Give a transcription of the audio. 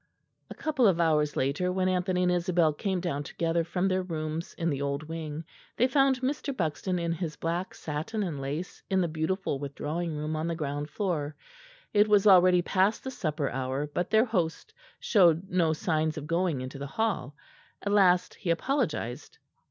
A couple of hours later, when Anthony and Isabel came down together from their rooms in the old wing, they found Mr. Buxton in his black satin and lace in the beautiful withdrawing room on the ground floor. It was already past the supper hour, but their host showed no signs of going into the hall. At last he apologised.